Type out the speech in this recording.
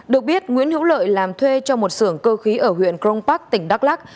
được biết nguyễn hữu lợi làm thuê cho một xưởng cơ khí ở huyện crong park tỉnh đắk lắc